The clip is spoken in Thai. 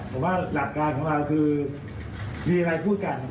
ผมว่าหลักการของเราคือมีอะไรพูดกัน